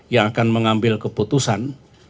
yang akan mengambil keputusan